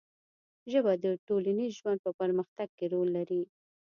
ژبه د ټولنیز ژوند په پرمختګ کې رول لري